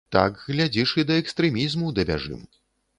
Так, глядзіш, і да экстрэмізму дабяжым.